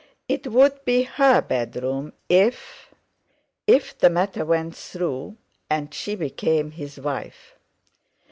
It would be her bedroom if—if the matter went through, and she became his wife.